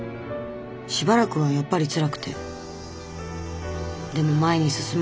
しばらくはやっぱりつらくてでも前に進まなきゃって。